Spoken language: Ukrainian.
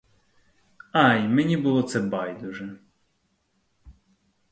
А й мені було це байдуже.